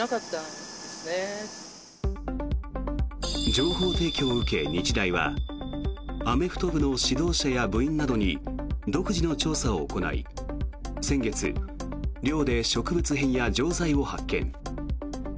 情報提供を受け、日大はアメフト部の指導者や部員などに独自の調査を行い先月、寮で植物片や錠剤を発見。